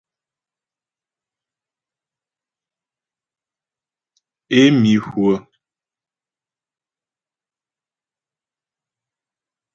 Ě mi hwə̂.